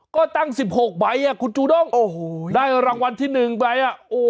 ก็ตั้งสิบหกใบอ่ะคุณจูด้องโอ้โหได้รางวัลที่หนึ่งใบอ่ะโอ้